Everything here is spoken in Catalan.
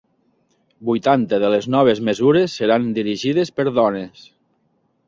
Vuitanta de les noves mesures seran dirigides per dones.